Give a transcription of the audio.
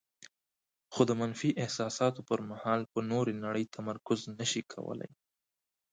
خو د منفي احساساتو پر مهال په نورې نړۍ تمرکز نشي کولای.